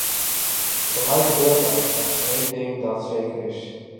Bij mij gebeurt dat, dat is een ding dat zeker is.